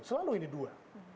selalu ini dua